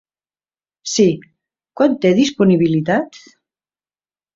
Sí, quan té disponibilitat?